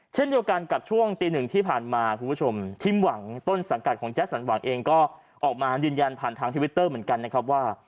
เช่นเดียวกันกับช่วงตีหนึ่งที่ผ่านมาคุณผู้ชมทีมหวังต้นสังกัดของแจ๊สันหวังเองก็ออกมายืนยันผ่านทางทวิตเตอร์เหมือนกันนะครับว่า